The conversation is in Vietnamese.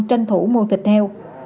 thủ mua thịt heo